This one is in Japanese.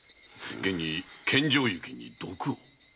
現に献上雪に毒を。